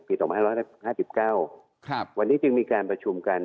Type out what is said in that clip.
ปี๒๕๕๙วันนี้จึงมีการประชุมกัน